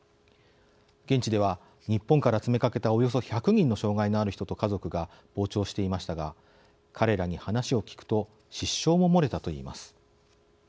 現地では、日本から詰めかけたおよそ１００人の障害のある人と家族が傍聴していましたが彼らに話を聞くと失笑も漏れたといいます。